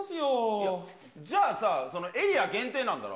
いや、じゃあさ、そのエリア限定なんだろ。